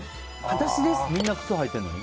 みんな靴履いてるのに？